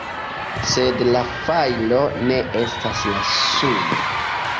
Sed la fajro ne estas la suno.